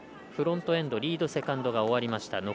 フロントエンド、リードセカンドが終わりました。